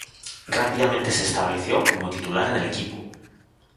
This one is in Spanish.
Rápidamente, se estableció como titular en el equipo.